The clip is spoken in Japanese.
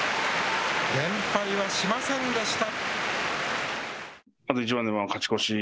連敗はしませんでした。